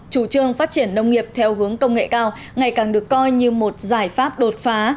chủ trương phát triển nông nghiệp theo hướng công nghệ cao ngày càng được coi như một giải pháp đột phá